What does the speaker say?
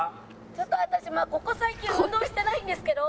ちょっと私まあここ最近運動してないんですけど。